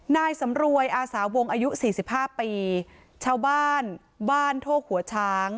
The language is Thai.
นายสำรวยอาสาวงอายุสี่สิบห้าปีชาวบ้านบ้านโทกหัวช้าง